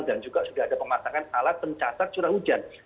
dan juga sudah ada pemasangan alat pencatat curah hujan